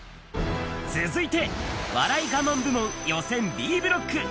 続いて、笑い我慢部門予選Ｂブロック。